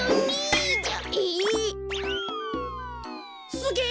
すげえ！